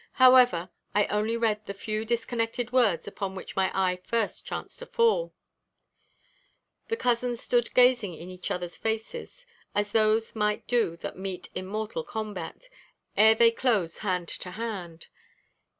However, I only read the few disconnected words upon which my eye first chanced to fall." The cousins stood gazing in each other's faces; as those might do that meet in mortal combat, ere they close hand to hand.